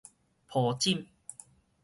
抱枕